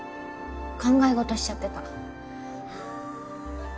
考え事しちゃってた。